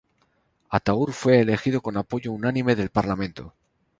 Atatürk fue elegido con apoyo unánime del parlamento.